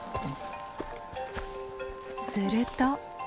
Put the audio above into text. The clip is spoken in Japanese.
すると。